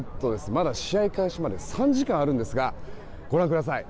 まだ試合開始まで３時間あるんですがご覧ください。